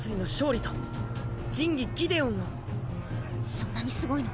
そんなにすごいの？